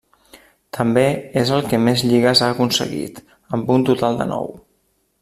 També és el que més lligues ha aconseguit, amb un total de nou.